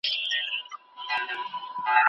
د زړه ناروغۍ به کمي سي؟